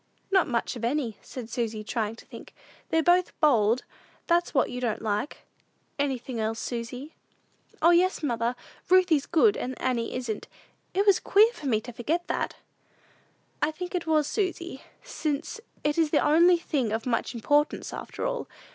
"Not much of any," said Susy, trying to think; "they're both bold; that's what you don't like." "Anything else, Susy?" "O, yes, mother; Ruthie's good, and Annie isn't. It was queer for me to forget that!" "I should think it was, Susy, since it is the only thing of much importance, after all.